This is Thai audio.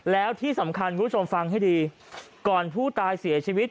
แล้วที่สำคัญคุณผู้ชมฟังให้ดีก่อนผู้ตายเสียชีวิต